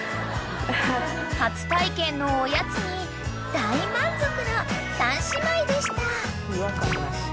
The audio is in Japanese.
［初体験のおやつに大満足の３姉妹でした］